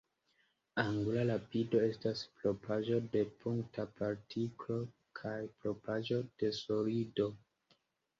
Angula rapido estas propraĵo de punkta partiklo kaj propraĵo de solido.